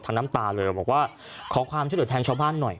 ทั้งน้ำตาเนอะบอกว่าขอความเชี่ยวโดยแทนชาวบ้านหน่อย